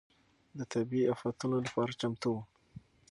د طبيعي افتونو لپاره چمتو و.